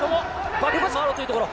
バックに回ろうというところ。